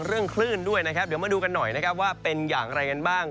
คลื่นด้วยนะครับเดี๋ยวมาดูกันหน่อยนะครับว่าเป็นอย่างไรกันบ้าง